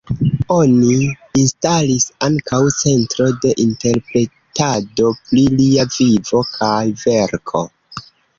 Oni instalis ankaŭ centro de interpretado pri lia vivo kaj verko.